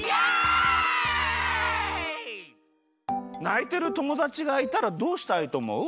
ないてるともだちがいたらどうしたいとおもう？